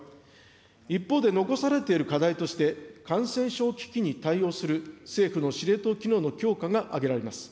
一方で、残されている課題として、感染症危機に対応する、政府の司令塔機能の強化が挙げられます。